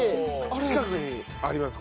近くにあります